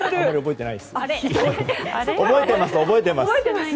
覚えてます、覚えてます。